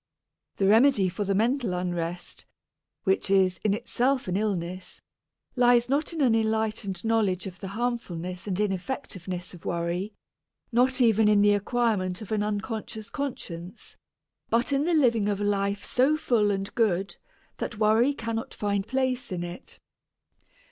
The remedy for the mental unrest, which is in itself an illness, lies not in an enlightened knowledge of the harmfulness and ineffectiveness of worry, not even in the acquirement of an unconscious conscience, but in the living of a life so full and good that worry cannot find place in it.